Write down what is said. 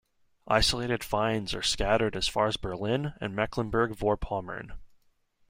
Isolated finds are scattered as far as Berlin and Mecklenburg-Vorpommern.